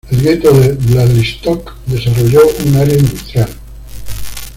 El ghetto de Bialystok desarrolló un área industrial.